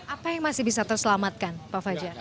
apa yang masih bisa terselamatkan pak fajar